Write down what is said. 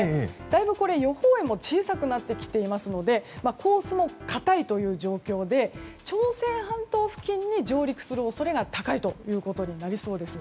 だいぶ予報円も小さくなってきていますのでコースもかたいという状況で朝鮮半島付近に上陸する恐れが高いということになりそうです。